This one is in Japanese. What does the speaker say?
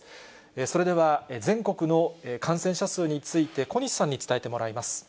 それでは、全国の感染者数について、小西さんに伝えてもらいます。